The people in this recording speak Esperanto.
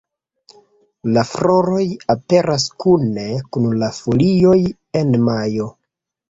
La floroj aperas kune kun la folioj en majo.